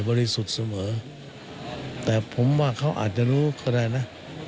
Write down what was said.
ริสุทธิ์เสมอแต่ผมว่าเขาอาจจะรู้ก็ได้นะ